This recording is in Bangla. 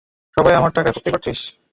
সবাই আমার টাকায় ফুর্তি করছিস?